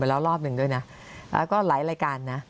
แล้วรอบหนึ่งด้วยนะแล้วก็หลายรายการนะ